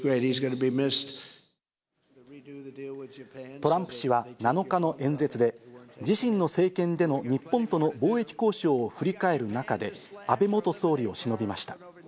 トランプ氏は７日の演説で、自身の政権での日本との貿易交渉を振り返る中で、安倍元総理をしのびました。